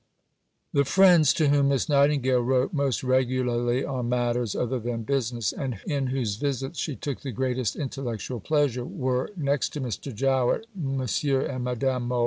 VI The friends to whom Miss Nightingale wrote most regularly on matters other than business, and in whose visits she took the greatest intellectual pleasure, were, next to Mr. Jowett, Monsieur and Madame Mohl.